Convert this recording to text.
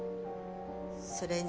それに。